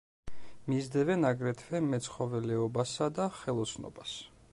მისდევენ აგრეთვე მეცხოველეობასა და ხელოსნობას.